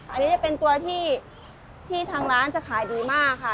อันนี้จะเป็นตัวที่ทางร้านจะขายดีมากค่ะ